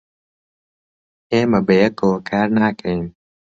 ئێمە بەیەکەوە کار ناکەین.